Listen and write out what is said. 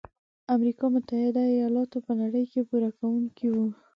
امریکا متحد ایلاتو په نړۍ کې پوره کوونکي وو.